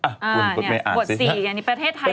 อ่านี่บท๔อย่างนี้ประเทศไทย๔๐